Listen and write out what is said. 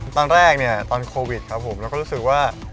ตอนแรกเนี่ยตอนโควิดครับผมแล้วก็รู้สึกว่า